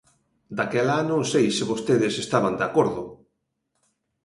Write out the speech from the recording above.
Daquela non sei se vostedes estaban de acordo.